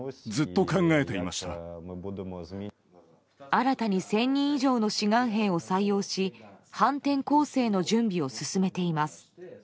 新たに１０００人以上の志願兵を採用し反転攻勢の準備を進めています。